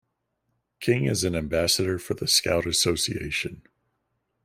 King is an ambassador for The Scout Association.